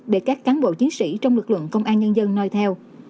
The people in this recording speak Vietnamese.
để các cán bộ chiến sĩ trong lực lượng công an nhân dân nói theo